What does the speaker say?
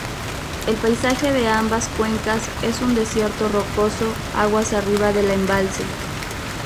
El paisaje de ambas cuencas es un desierto rocoso aguas arriba del embalse.